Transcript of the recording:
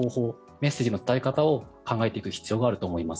メッセージの伝え方を考えていく必要があると思います。